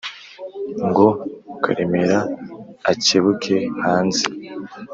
ngo karemera akebuke hanze